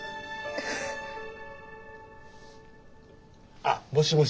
あっもしもし？